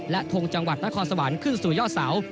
และทงจังหวัดนครสวรรค์ขึ้นสู่ยอดเสา